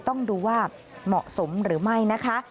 ต้องดูว่าเหมาะสมหรือไม่นะคะ